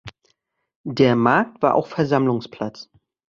Der Markt war auch Versammlungsplatz.